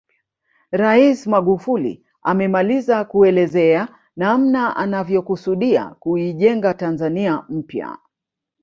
Rais Magufuli amemaliza kuelezea namna anavyokusudia kuijenga Tanzania mpya